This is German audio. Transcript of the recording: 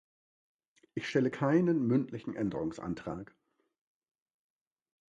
Ich stelle keinen mündlichen Änderungsantrag.